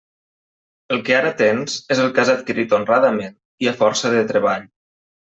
El que ara tens és el que has adquirit honradament i a força de treball.